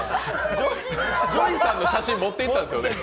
ＪＯＹさんの写真持っていったんですよね？